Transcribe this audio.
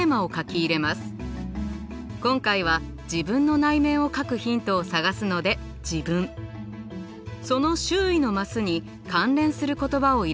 今回は自分の内面を描くヒントを探すので「自分」その周囲のマスに関連する言葉を入れていきます。